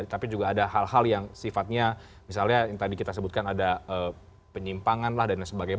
tapi juga ada hal hal yang sifatnya misalnya yang tadi kita sebutkan ada penyimpangan lah dan lain sebagainya